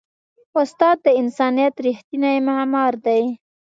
استاد د انسانیت ریښتینی معمار دی.